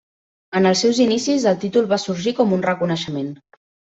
En els seus inicis, el títol va sorgir com un reconeixement.